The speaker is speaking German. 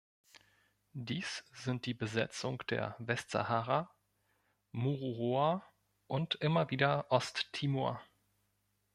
Dies sind die Besetzung der Westsahara, Mururoa und immer wieder Ost-Timor.